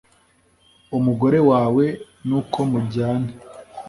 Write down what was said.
umugore wawe nuko mujyane